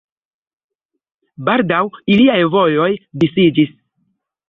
Baldaŭ iliaj vojoj disiĝis.